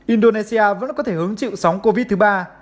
indonesia vẫn có thể hứng chịu sóng covid thứ ba